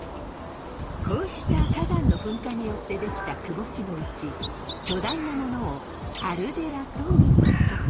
こうした火山の噴火によって出来たくぼ地のうち巨大なものをカルデラといいます。